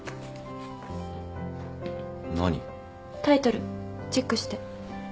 タイトルチェックして。